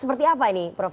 seperti apa ini prof